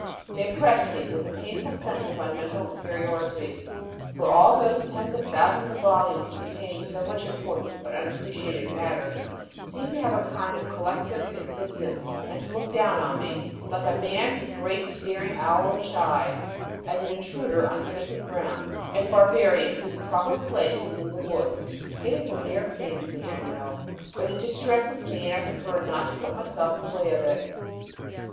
They oppress me with a painful sense of my mental inferiority; for all those tens of thousands of volumes, containing so much important but unappreciated matter, seem to have a kind of collective existence, and to look down on me, like a man with great, staring, owlish eyes, as an intruder on sacred ground a barbarian, whose proper place is in the woods. It is a mere fancy, I know, but it distresses me, and I prefer not to put myself in the way of it.